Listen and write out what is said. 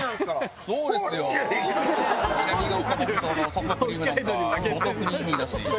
南ヶ丘牧場のソフトクリームなんかは相当クリーミーだし。